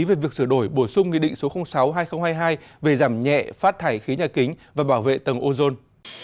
về việc sửa đổi bổ sung nghị định số sáu hai nghìn hai mươi hai về giảm nhẹ phát thải khí nhà kính và bảo vệ tầng ozone